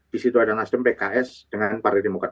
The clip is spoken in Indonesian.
disitu ada nasdem pks dengan partai demokrat